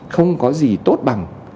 không có gì tốt bằng